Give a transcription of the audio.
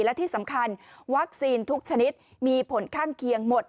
และที่สำคัญวัคซีนทุกชนิดมีผลข้างเคียงหมด